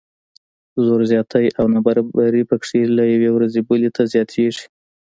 زور زیاتی او نابرابري پکې له یوې ورځې بلې ته زیاتیږي.